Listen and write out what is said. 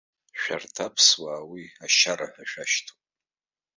Шәарҭ аԥсуаа уи ашьара ҳәа шәашьҭоуп.